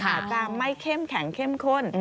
อาจจะไม่เข้มแข็งเข้มข้น